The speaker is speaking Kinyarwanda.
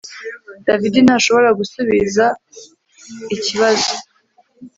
David ntashobora gusubiza ikibazo